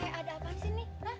eh ada apaan sih nih